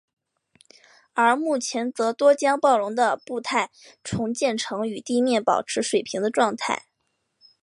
而目前则多将暴龙的步态重建成与地面保持水平的状态。